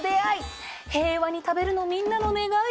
平和に食べるのみんなの願い。